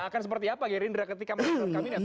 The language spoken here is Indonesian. akan seperti apa gerindra ketika menurut kabinet